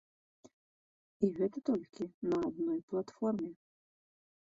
І гэта толькі на адной платформе.